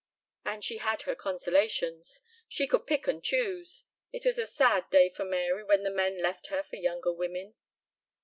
And she had her consolations! She could pick and choose. It was a sad day for Mary when men left her for younger women."